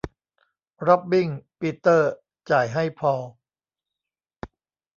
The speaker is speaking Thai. ร็อบบิ้ง ปีเตอร์ จ่ายให้พอล